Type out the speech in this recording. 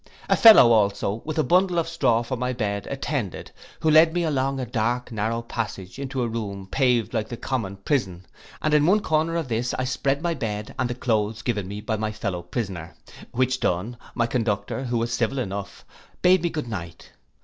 A fellow also, with a bundle of straw for my bed attended, who led me along a dark narrow passage into a room paved like the common prison, and in one corner of this I spread my bed, and the cloaths given me by my fellow prisoner; which done, my conductor, who was civil enough, bade me a good night.